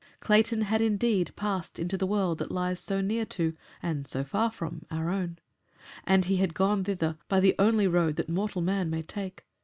Clayton had, indeed, passed into the world that lies so near to and so far from our own, and he had gone thither by the only road that mortal man may take.